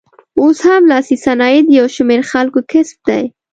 اوس هم لاسي صنایع د یو شمېر خلکو کسب دی.